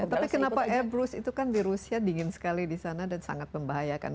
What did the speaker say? tapi kenapa ebrus itu kan di rusia dingin sekali di sana dan sangat membahayakan